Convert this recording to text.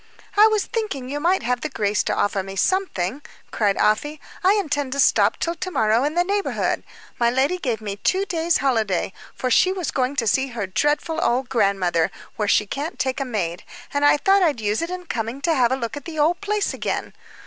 "I was thinking you might have the grace to offer me something," cried Afy. "I intend to stop till to morrow in the neighborhood. My lady gave me two days' holiday for she was going to see her dreadful old grandmother, where she can't take a maid and I thought I'd use it in coming to have a look at the old place again.